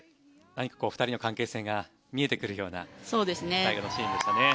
何かこう２人の関係性が見えてくるような最後のシーンでしたね。